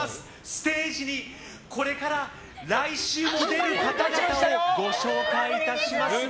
ステージにこれから来週も出る方々をご紹介いたします。